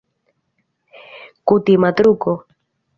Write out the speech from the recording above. Kutima truko.